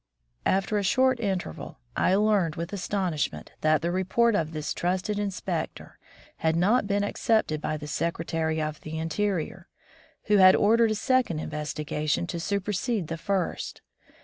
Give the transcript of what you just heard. After a short interval, I learned with astonishment that the report of this trusted inspector had not been accepted by the Secretary of the Interior, who had ordered a second investigation to supersede the first.